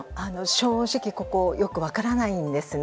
正直、ここよく分からないんですね。